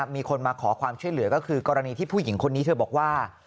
มีคนมาขอความช่วยเหลือก็คือกรณีที่ผู้หญิงคนนี้เธอบอกว่า